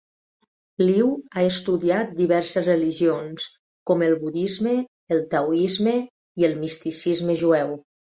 Liu ha estudiat diverses religions, com el budisme, el taoisme i el misticisme jueu.